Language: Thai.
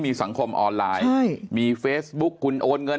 เพราะอาชญากรเขาต้องปล่อยเงิน